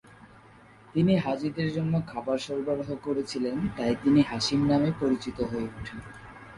তিনি হাজিদের জন্য খাবার সরবরাহ করেছিলেন তাই তিনি হাশিম নামে পরিচিত হয়ে উঠেন।